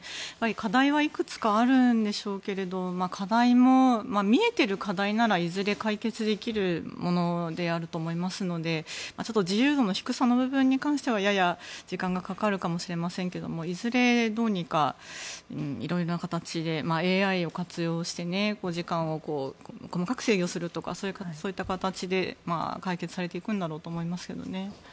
課題はいくつかあるんでしょうけれど課題も見えている課題ならいずれ解決できるものであると思いますので自由度の低さの部分に関してはやや時間がかかるかもしれませんがいずれどうにか色々な形でＡＩを活用して時間を細かく制御するとかそういった形で解決されていくんだろうと思いますけどね。